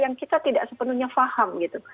yang kita tidak sepenuhnya faham